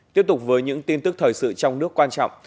tiếp tục với những tin tức thời sự trong nước quan trọng